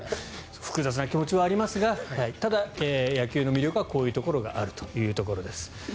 複雑な気持ちはありますがただ、野球の魅力はこういうところがあるということです。